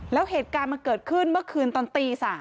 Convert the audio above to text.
แล้วเหตุการณ์มันเกิดขึ้นเมื่อคืนตอนตี๓